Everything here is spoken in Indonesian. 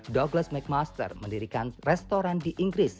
doglass mcmaster mendirikan restoran di inggris